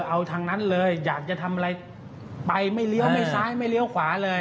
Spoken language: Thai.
เอาทางนั้นเลยอยากจะทำอะไรไปไม่เลี้ยวไม่ซ้ายไม่เลี้ยวขวาเลย